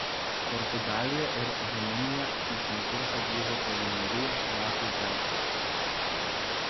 Portugalija ir Rumunija į konkursą grįžo po vienerių metų pertraukos.